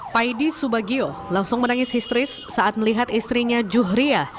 paidi subagio langsung menangis histeris saat melihat istrinya juhriah